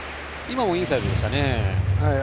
今もインサイドでしたね。